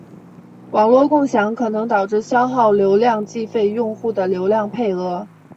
网络共享可能导致消耗流量计费用户的流量配额。